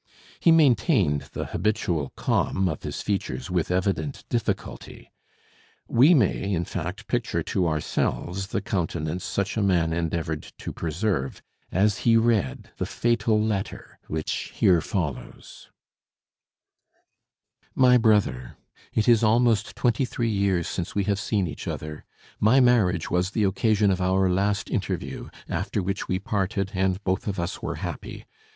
He maintained the habitual calm of his features with evident difficulty; we may, in fact, picture to ourselves the countenance such a man endeavored to preserve as he read the fatal letter which here follows: My Brother, It is almost twenty three years since we have seen each other. My marriage was the occasion of our last interview, after which we parted, and both of us were happy.